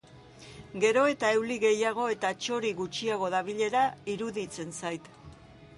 Gero eta euli gehiago eta txori gutxiago dabilela iruditzen zait.